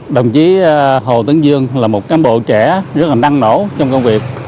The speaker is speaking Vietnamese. đồng chí hồ tấn dương là một cán bộ trẻ rất là năng nổ trong công việc